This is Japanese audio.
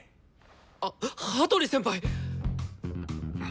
あっ羽鳥先輩！